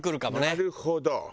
なるほど。